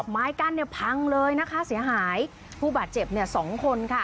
ไม้กั้นเนี่ยพังเลยนะคะเสียหายผู้บาดเจ็บเนี่ยสองคนค่ะ